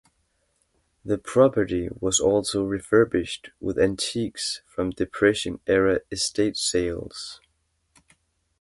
The property was also refurbished with antiques from depression-era estate sales.